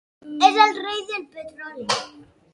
És el rei del petroli.